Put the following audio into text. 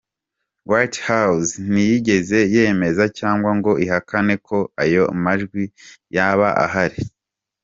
White House ntiyigeze yemeza cyangwa ngo ihakane ko ayo majwi yaba ahari.